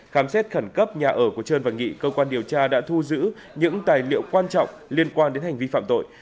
khám xét khẩn cấp nhà ở của trơn và nghị cơ quan điều tra đã thu giữ những tài liệu quan trọng liên quan đến hành vi phạm tội